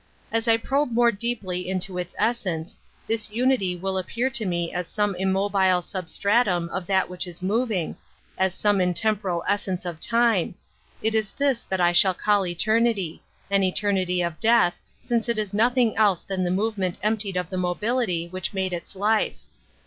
As I probe more deeply into essence, this nnity will appear to me as soi immobile substratum of that which is mov ing, as some intemporal essence of time ; it is this that I shall call eternity; an eter^ nitj of death, since it is nothing else the movement emptied of the mobility w! made its life.